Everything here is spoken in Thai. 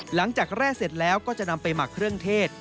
แร่เสร็จแล้วก็จะนำไปหมักเครื่องเทศ